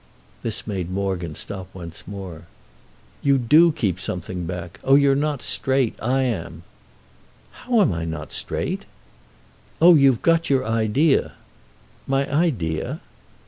This made Morgan stop once more. "You do keep something back. Oh you're not straight—I am!" "How am I not straight?" "Oh you've got your idea!" "My idea?"